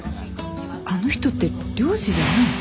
あの人って漁師じゃないの？